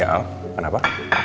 ya al kenapa